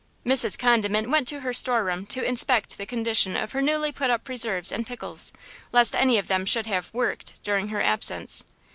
Mrs. Condiment went to her store room to inspect the condition of her newly put up preserves and pickles, lest any of them should have "worked" during her absence.